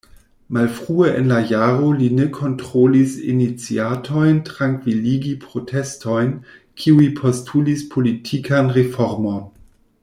Malfrue en la jaro li ne kontrolis iniciatojn trankviligi protestojn kiuj postulis politikan reformon.